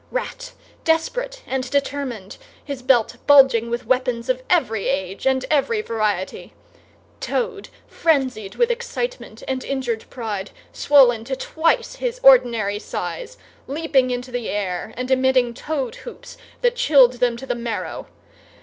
Rat; desperate and determined, his belt bulging with weapons of every age and every variety; Toad, frenzied with excitement and injured pride, swollen to twice his ordinary size, leaping into the air and emitting Toad whoops that chilled them to the marrow!